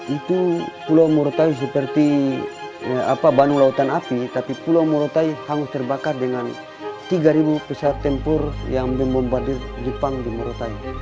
itu pulau murutai seperti bandung lautan api tapi pulau murotai hangus terbakar dengan tiga pesawat tempur yang membombardir jepang di murutai